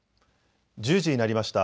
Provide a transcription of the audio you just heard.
１０時になりました。